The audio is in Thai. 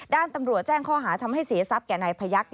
ด้านตำรวจแจ้งข้อหาทำให้เสียทรัพย์แก่นายพยักษ์